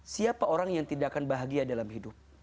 siapa orang yang tidak akan bahagia dalam hidup